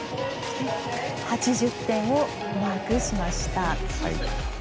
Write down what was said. ８０点をマークしました。